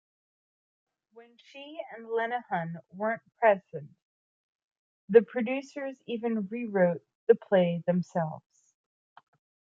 When she and Lenihan weren't present, the producers even rewrote the play themselves.